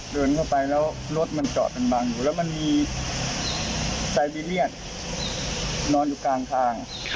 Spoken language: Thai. เดินเข้าไปแล้วรถมันจอดมันบังอยู่แล้วมันมีไซเบีเรียนนอนอยู่กลางทาง